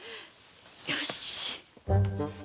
よし。